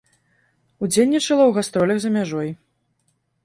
Удзельнічала ў гастролях за мяжой.